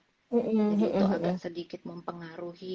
jadi itu agak sedikit mempengaruhi mungkin kayaknya